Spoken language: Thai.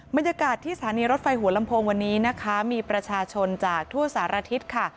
บรรยากาศที่สถานีรถไฟหัวลำโพงวันนี้นะคะมีประชาชนจากทั่วสารทิศค่ะ